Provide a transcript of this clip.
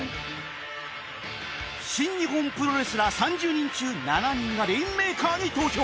新日本プロレスラー３０人中７人がレインメーカーに投票